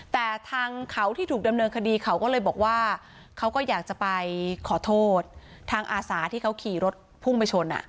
แต่ทางเขาที่ถูกดำเนินคดีเขาก็เลยบอกว่าเขาก็อยากจะไปขอโทษทางอาสาที่เขาขี่รถพุ่งไปชน